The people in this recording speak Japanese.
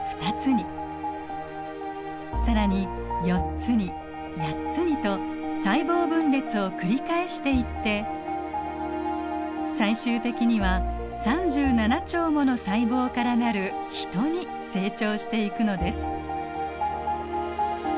更に４つに８つにと細胞分裂を繰り返していって最終的には３７兆もの細胞から成るヒトに成長していくのです。